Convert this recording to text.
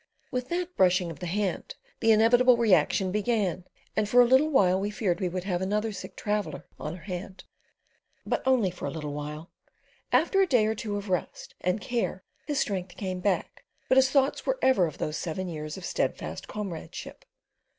With that brushing of the hand the inevitable reaction began, and for a little while we feared we would have another sick traveller on our hand. But only for a little while. After a day or two of rest and care his strength came back, but his thoughts were ever of those seven years of steadfast comradeship.